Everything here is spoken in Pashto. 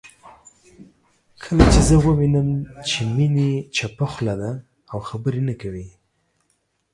کله چې زه ووينم چې میني چپه خوله ده او خبرې نه کوي